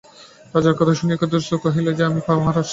রাজার কথা শুনিয়া কেদারেশ্বর কহিল, সে আমি পারিব না মহারাজ।